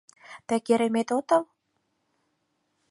— Тый керемет отыл?